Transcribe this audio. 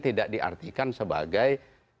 tidak diartikan sebagai